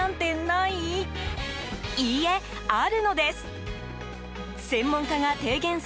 いいえ、あるのです。